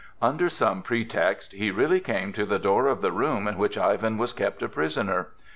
Under some pretext he really came to the door of the room in which Ivan was kept a prisoner.